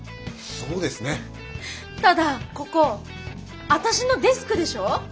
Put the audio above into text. ただここ私のデスクでしょ。